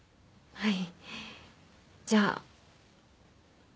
はい。